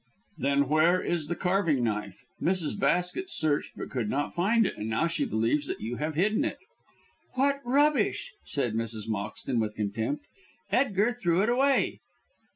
"Then where is the carving knife? Mrs. Basket searched but could not find it, and now she believes that you have hidden it." "What rubbish!" said Mrs. Moxton, with contempt. "Edgar threw it away."